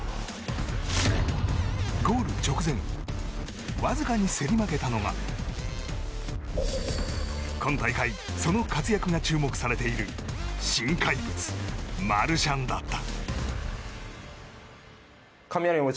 ゴール直前わずかに競り負けたのが今大会その活躍が注目されている新怪物マルシャンだった。